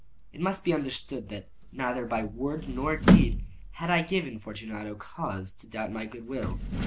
It must be understood, that neither by word nor deed had I given Fortunato cause to doubt my good will.